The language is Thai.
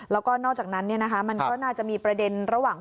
แล้วก็นอกจากนั้นมันก็น่าจะมีประเด็นระหว่าง